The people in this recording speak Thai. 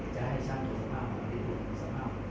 จะให้ชาติโดยสภาพของพระเจ้าหลวงสภาพ